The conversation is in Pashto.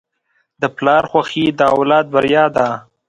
د پلار خوښي د اولاد بریا ده.